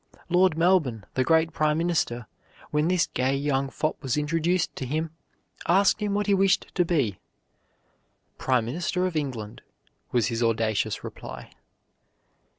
Lord Melbourne, the great Prime Minister, when this gay young fop was introduced to him, asked him what he wished to be. "Prime Minister of England," was his audacious reply.